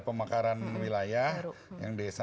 pemakaran wilayah yang desa